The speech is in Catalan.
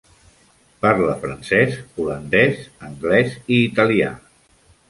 Parla francès, holandès, anglès i italià.